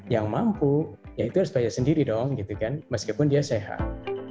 yang mampu ya itu harus bayar sendiri dong gitu kan meskipun dia sehat